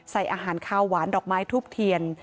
ใส่อาหารข้าวหวานดอกไม้ทูบเทียน